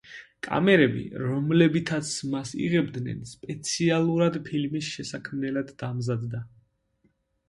კამერები, რომლებითაც მას იღებდნენ, სპეციალურად ფილმის შესაქმნელად დამზადდა.